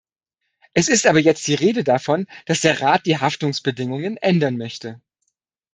Es ist aber jetzt die Rede davon, dass der Rat die Haftungsbedingungen ändern möchte.